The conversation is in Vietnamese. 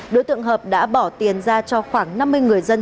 đối tượng hợp đã bỏ tiền ra cho khoảng năm mươi người dân